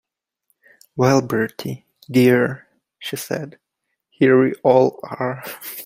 "Well, Bertie, dear," she said, "here we all are."